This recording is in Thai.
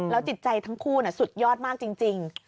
จิตใจทั้งคู่สุดยอดมากจริง